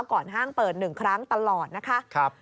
ก่อนห้างเปิดหนึ่งครั้งตลอดนะคะ